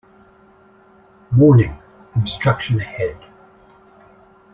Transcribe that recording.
Warning! Obstruction ahead.